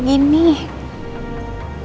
kamu itu jangan kayak gini